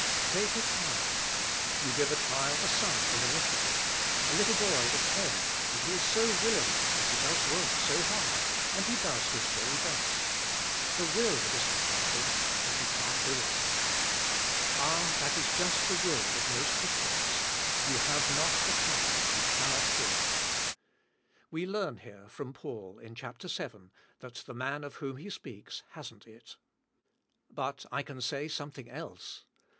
Take a child. You g ive a child a sum in arithmetic — a little boy of ten and he is so willing and he does work so hard, and he does his very best. The will is not wanting* but he can't do it. Ah, that is just the will of most Christians; you have not the power — you cannot do it. We learn here, from Paul, in chapter seven, that the man of whom he speaks hasn't it. But I can say something else.